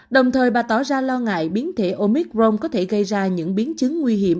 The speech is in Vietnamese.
đồng thời bà tỏ ra lo ngại biến thể omicron có thể gây ra những biến chứng nguy hiểm